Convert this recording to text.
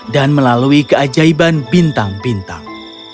dan melalui keajaiban bintang bintang